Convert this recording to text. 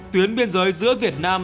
tuyến biên giới giữa việt nam